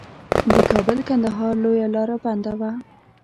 د کابل کندهار لویه لار بنده وه.